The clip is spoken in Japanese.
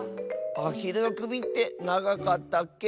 アヒルのくびってながかったっけ？